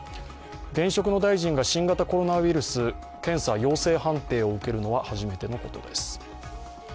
現職の大臣が新型コロナウイルス検査陽性判定を受けるのは初めてのことです。